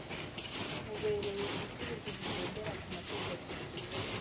bubereye ubucuruzi bugendera ku mategeko